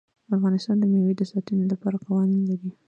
افغانستان د مېوې د ساتنې لپاره قوانین لري.